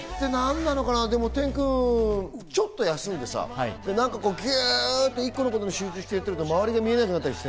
テン君、ちょっと休んでさ、ぎゅっと１個のことに集中していると周りが見えなくなちゃったりして。